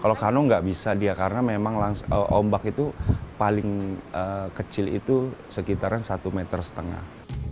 kalau kano nggak bisa dia karena memang ombak itu paling kecil itu sekitaran satu meter setengah